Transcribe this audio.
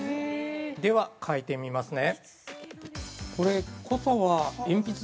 ◆では書いてみますね。